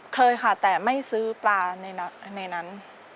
เคยค่ะแต่ไม่ซื้อปลาในนั้น